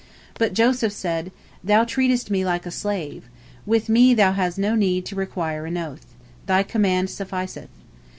But Joseph said: "Thou treatest me like a slave. With me thou hast no need to require an oath. Thy command sufficeth."